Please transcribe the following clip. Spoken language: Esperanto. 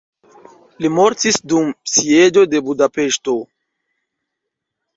Li mortis dum sieĝo de Budapeŝto.